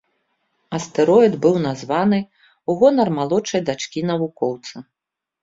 Астэроід быў названы ў гонар малодшай дачкі навукоўца.